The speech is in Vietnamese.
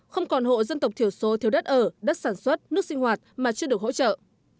không còn hộ dân tộc thiểu số thiếu đất ở đất sản xuất nước sinh hoạt mà chưa được hỗ trợ